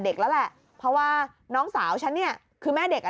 แล้วแหละเพราะว่าน้องสาวฉันเนี่ยคือแม่เด็กอ่ะ